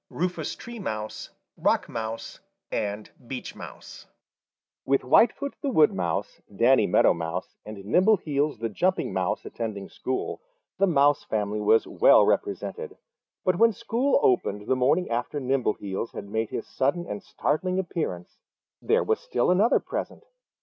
CHAPTER XVII Three Little Redcoats and Some Others With Whitefoot the Wood Mouse, Danny Meadow Mouse and Nimbleheels the Jumping Mouse attending school, the Mouse family was well represented, but when school opened the morning after Nimbleheels had made his sudden and startling appearance, there was still another present.